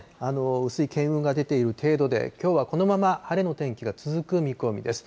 薄い巻雲が出ている程度で、きょうはこのまま晴れの天気が続く見込みです。